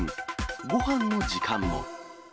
ごはんの時間も。